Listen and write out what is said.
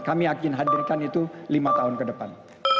kami yakin hadirkan itu lima tahun ke depan